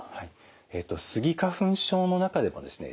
スギ花粉症の中でもですね